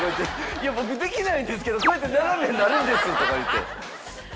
「いや僕できないんですけどこうやって斜めになるんです」とか言うて説明して。